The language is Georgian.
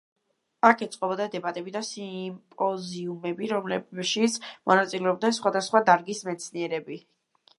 აქ ეწყობოდა დებატები და სიმპოზიუმები, რომლებშიც მონაწილეობდნენ სხვადასხვა დარგის მეცნიერები.